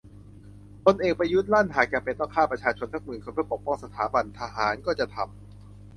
พลเอกประยุทธ์ลั่นหากจำเป็นต้องฆ่าประชาชนสักหมื่นคนเพื่อปกป้องสถาบัน"ทหารก็จะทำ"